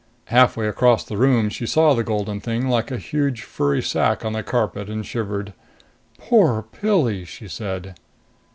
Halfway across the room, she saw the golden thing like a huge furry sack on the carpet and shivered. "Poor Pilli!" she said.